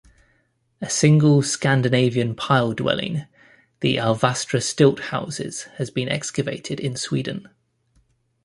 A single Scandinavian pile dwelling, the Alvastra stilt houses, has been excavated in Sweden.